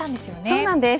そうなんです。